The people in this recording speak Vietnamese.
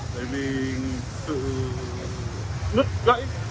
bởi vì sự nứt gãy